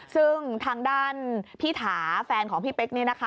ซึ่งทางด้านพี่ถาแฟนของพี่เป๊กนี่นะคะ